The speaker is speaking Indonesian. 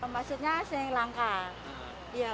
maksudnya yang langka